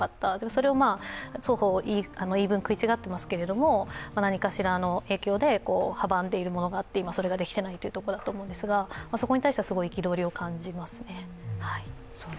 それを双方言い分食い違っていますけれども何かしらの影響で阻んでいるものがあってそれが今できてないわけですが、そこに対しては憤りを感じますね。